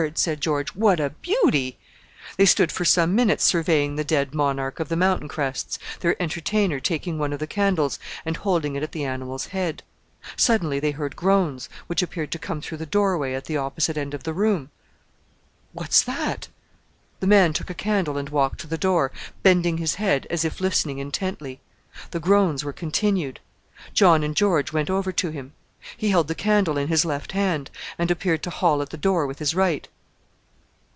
said George, "what a beauty!" They stood for some minutes surveying the dead monarch of the mountain crests, their entertainer taking one of the candles and holding it at the animal's head. Suddenly they heard groans, which appeared to come through the doorway at the opposite end of the room. "What's that?" The man took a candle and walked to the door, bending his head, as if listening intently. The groans were continued. John and George went over to him. He held the candle in his left hand, and appeared to haul at the door with his right.